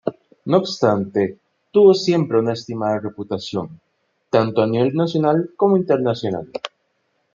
No obstante, tuvo siempre una estimada reputación, tanto a nivel nacional como internacional.